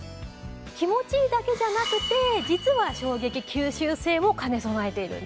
気持ちいいだけじゃなくて実は衝撃吸収性を兼ね備えているんです。